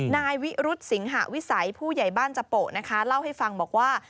นายวิรุธสิงหะวิสัยผู้ใหญ่บ้านจโปะนะคะเล่าให้ฟังบอกว่า